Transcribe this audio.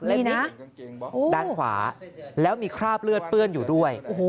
ด้านขวาแล้วมีคราบเลือดเปื้อนอยู่ด้วย